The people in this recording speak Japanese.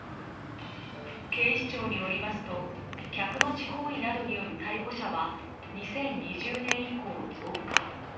警視庁によりますと客待ち行為などによる逮捕者は２０２０年以降、増加。